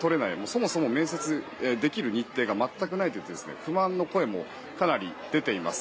そもそも面接できる日程が全くないという不満の声もかなり出ています。